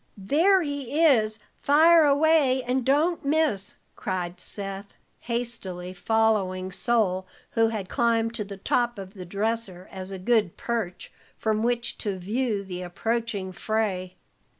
"There he is! Fire away, and don't miss!" cried Seth, hastily following Sol, who had climbed to the top of the dresser as a good perch from which to view the approaching fray.